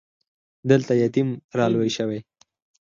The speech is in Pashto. دلته يتيم را لوی شو.